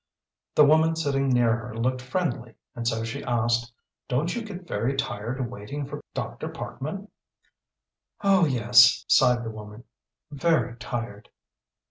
The woman sitting near her looked friendly, and so she asked: "Don't you get very tired waiting for Dr. Parkman?" "Oh, yes," sighed the woman, "very tired."